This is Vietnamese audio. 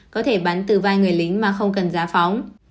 có thể bắn từ vai người lính mà không cần giá phóng